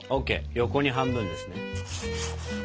横に半分ですね。